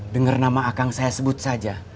dengar nama akang saya sebut saja